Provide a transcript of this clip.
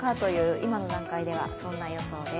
今の段階ではそんな予想です。